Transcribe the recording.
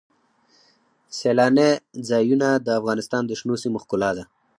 سیلانی ځایونه د افغانستان د شنو سیمو ښکلا ده.